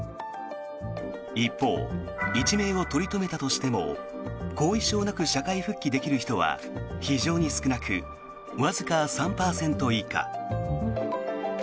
一方、一命を取り留めたとしても後遺症なく社会復帰できる人は非常に少なく、わずか３％以下。